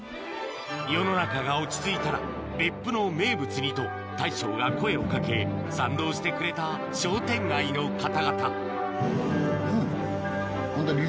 世の中が落ち着いたら別府の名物にと大将が声を掛け賛同してくれた商店街の方々うんホント。